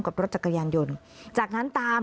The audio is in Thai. กับรถจักรยานยนต์จากนั้นตาม